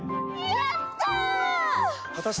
やった！